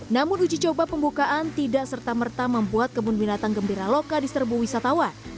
namun uji coba pembukaan tidak serta merta membuat kebun binatang gembira loka di serbu wisatawan